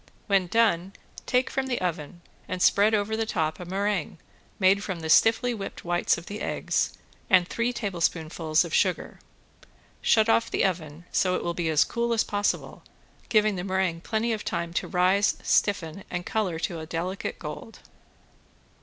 When done take from the oven and spread over the top a meringue made from the stiffly whipped whites of the eggs, and three tablespoonfuls of sugar. Shut off the oven so it will be as cool as possible giving the meringue plenty of time to rise, stiffen and color to a delicate gold.